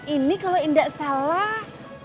ini kalo indah salah